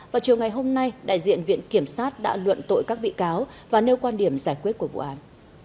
vào chiều ngày hôm nay đại diện viện kiểm sát đã luận tội các bị cáo và nêu quan điểm giải quyết của vụ án